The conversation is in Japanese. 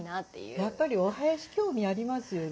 やっぱりお囃子興味ありますよね。